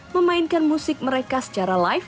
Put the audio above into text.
memainkan musik mereka secara live